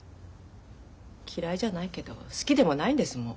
嫌いじゃないけど好きでもないんですもう。